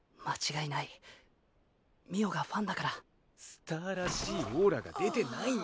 スターらしいオーラが出てないんだけど。